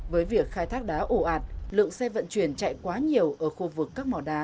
với việc khai thác đá ổ ạt lượng xe vận chuyển chạy quá nhiều ở khu vực các mỏ đá